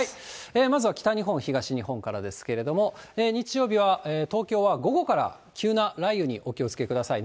まずは北日本、東日本からですけれども、日曜日は東京は午後から急な雷雨にお気をつけください。